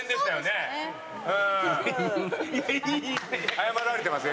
謝られてますよ